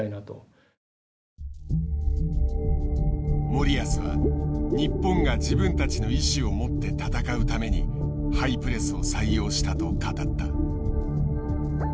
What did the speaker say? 森保は日本が自分たちの意思を持って戦うためにハイプレスを採用したと語った。